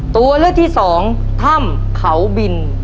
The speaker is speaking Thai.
ตัวเลือกที่สองถ้ำเขาบิน